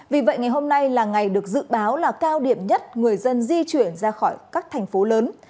vì vậy ngày hôm nay là ngày được dự báo là cao điểm nhất người dân di chuyển ra khỏi các thành phố lớn